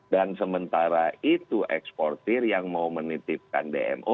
dan sementara itu eksportir yang mau menitipkan dmo